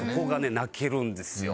泣けるんですよ。